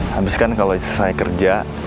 habiskan kalo istri saya kerja